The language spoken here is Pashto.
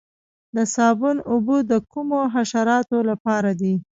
د صابون اوبه د کومو حشراتو لپاره دي؟